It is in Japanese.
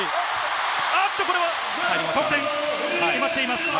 あっと、これは得点決まっています。